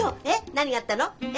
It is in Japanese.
何があったの？え？